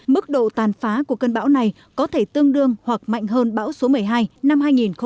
mức độ tàn phá của cơn bão này có thể tương đương hoặc mạnh hơn bão số một mươi hai năm hai nghìn một mươi tám